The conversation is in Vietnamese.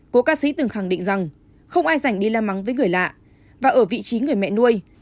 cố ca sĩ từng khẳng định rằng không ai rảnh đi la mắng với người lạ và ở vị trí người mẹ nuôi